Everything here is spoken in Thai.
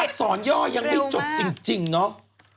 อักษรย่อยังไม่จบจริงเนอะ